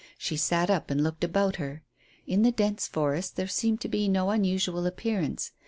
She sat up and looked about her. In the dense forest there seemed to be no unusual appearance.